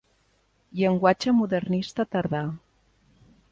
Llenguatge modernista tardà.